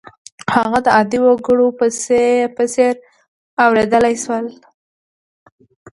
هغه د عادي وګړو په څېر اورېدلای شول.